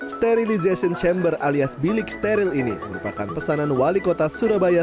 sterilization chamber alias bilik steril ini merupakan pesanan wali kota surabaya